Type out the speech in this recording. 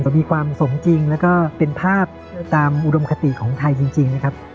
มีความสมจริงแล้วก็เป็นภาพตามอุดมคติของไทยจริงนะครับ